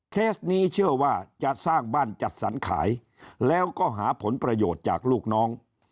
เคสนี้เชื่อว่าจะสร้างบ้านจัดสรรขายแล้วก็หาผลประโยชน์จากลูกน้อง